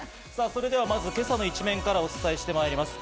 それではまず今朝の一面からお伝えしてまいります。